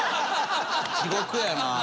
地獄やな。